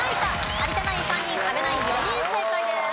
有田ナイン３人阿部ナイン４人正解です。